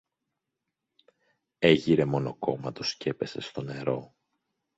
έγειρε μονοκόμματος κι έπεσε στο νερό.